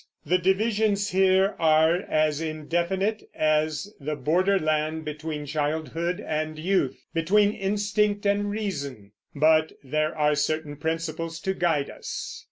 The divisions here are as indefinite as the border land between childhood and youth, between instinct and reason; but there are certain principles to guide us.